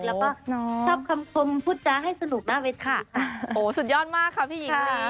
แล้วก็ชอบคำคมพูดจ้าให้สนุกมากเลยค่ะโอ้สุดยอดมากค่ะพี่หญิงค่ะ